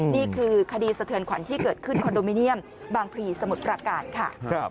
นี่คือคดีสะเทือนขวัญที่เกิดขึ้นคอนโดมิเนียมบางพลีสมุทรประการค่ะ